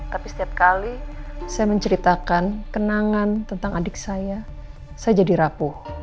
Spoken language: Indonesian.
tapi setiap kali saya menceritakan kenangan tentang adik saya saya jadi rapuh